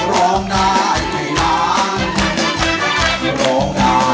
ร้องได้ให้ล้าน